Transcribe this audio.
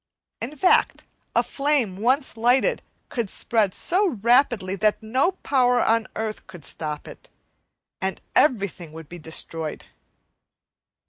In fact, a flame once lighted would spread so rapidly that no power on earth could stop it, and everything would be destroyed.